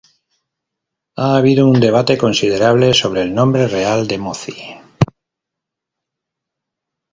Ha habido un debate considerable sobre el nombre real de Mozi.